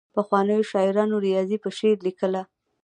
پخوانیو شاعرانو ریاضي په شعر لیکله.